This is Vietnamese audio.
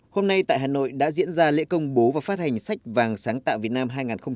hôm nay tại hà nội đã diễn ra lễ công bố và phát hành sách vàng sáng tạo việt nam hai nghìn một mươi chín